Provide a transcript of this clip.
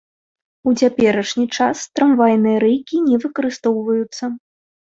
У цяперашні час трамвайныя рэйкі не выкарыстоўваюцца.